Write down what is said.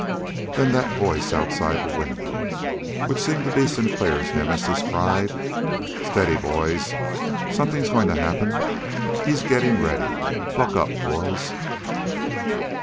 Then that voice outside the window, which seemed to be Sinclair's Nemesis, cried: "Steady, boys. Something's going to happen. He's getting ready. Buck up, boys!"